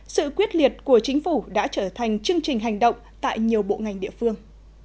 sự quyết liệt của chính phủ đã trở thành chương trình hành động tại nhiều bộ ngành địa phương